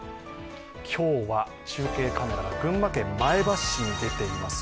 今日は中継カメラが群馬県前橋市に出ています。